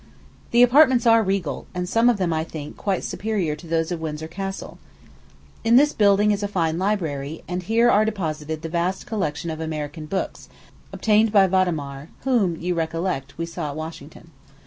The apartments are regal, and some of them, I think, quite superior to those of Windsor Castle. In this building is a fine library, and here are deposited the vast collection of American books obtained by Vattemare, whom, you recollect, we saw at Washington.